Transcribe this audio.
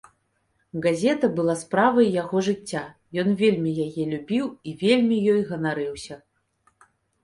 Газета была справай яго жыцця, ён вельмі яе любіў і вельмі ёй ганарыўся.